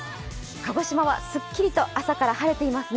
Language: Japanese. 鹿児島はすっきりと朝から晴れていますね。